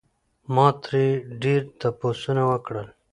ما ترې ډېر تپوسونه وکړل